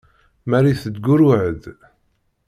Marie tettgurruɛ-d.